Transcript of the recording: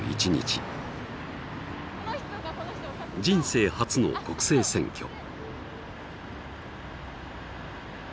人生初の国政選挙。